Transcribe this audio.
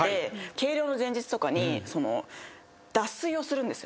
計量の前日とかに脱水をするんですよ。